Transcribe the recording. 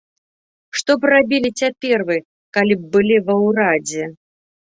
Што б рабілі цяпер вы, калі б былі ва ўрадзе?